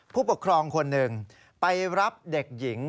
ผู้ปกครองคนหนึ่งไปรับเด็กหญิง